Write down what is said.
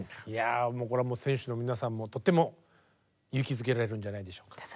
いやもうこれは選手の皆さんもとっても勇気づけられるんじゃないでしょうか。